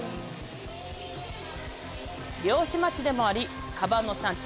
漁師町でもありカバンの産地